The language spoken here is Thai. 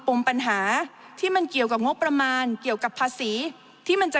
มปัญหาที่มันเกี่ยวกับงบประมาณเกี่ยวกับภาษีที่มันจะ